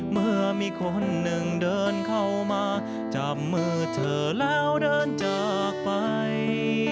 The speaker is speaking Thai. เมื่อมีคนหนึ่งเดินเข้ามาจับมือเธอแล้วเดินจากไป